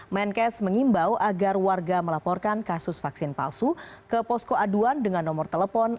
menkes mengimbau agar warga melaporkan kasus vaksin palsu ke posko aduan dengan nomor telepon satu lima lima enam tujuh